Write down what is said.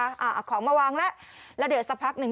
อะของมาวางละระเดื่อนสักพักหนึ่ง